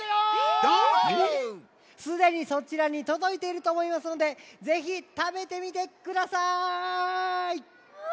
すでにそちらにとどいているとおもいますのでぜひたべてみてください！わ！